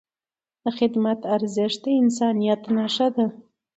د خدمت ارزښت د انسانیت نښه ده.